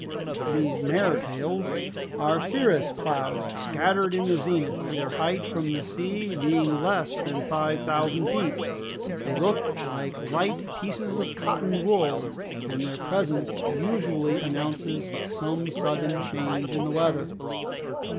These mares tails are cirrus clouds, scattered in the zenith, their height from the sea being less than five thousand feet. They look like light pieces of cotton wool, and their presence usually announces some sudden change in the weather.